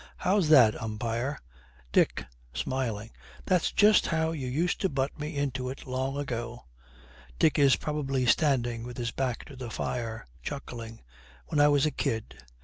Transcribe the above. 'How's that, umpire!' 'Dick,' smiling, 'that's just how you used to butt me into it long ago!' Dick is probably standing with his back to the fire, chuckling. 'When I was a kid.'